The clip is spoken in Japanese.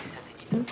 うん？